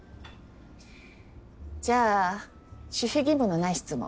じゃあ守秘義務のない質問。